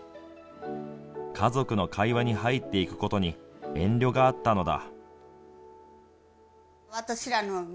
家族の会話に入っていくことに遠慮があったのだ。